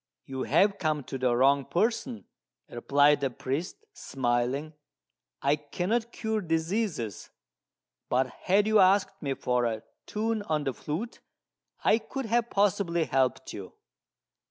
"You have come to the wrong person," replied the priest, smiling; "I cannot cure diseases; but had you asked me for a tune on the flute, I could have possibly helped you."